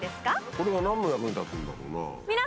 これが何の役に立つんだろうな？